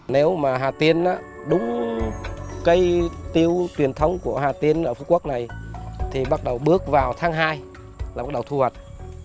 nếu mà hà tiên đúng cây tiêu truyền thống của hà tiên ở phú quốc này thì bắt đầu bước vào tháng hai là bắt đầu thu hoạch